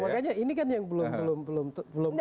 makanya ini kan yang belum selesai